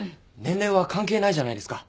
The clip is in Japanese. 年齢は関係ないじゃないですか。